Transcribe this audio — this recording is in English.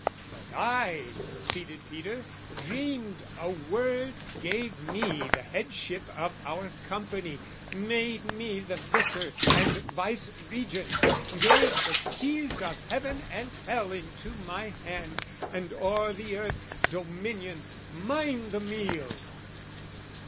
"But I," proceeded Peter, "dreamed, a word "Gave me the headship of our company, "Made me the Vicar and Vice regent, gave "The keys of Heaven and Hell into my hand, "And o'er the earth, dominion: mine the meal!"